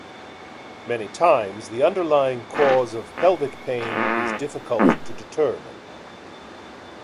Many times, the underlying cause of pelvic pain is difficult to determine.